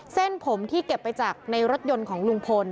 เส้นผมที่เก็บไปจากในรถยนต์ของลุงพล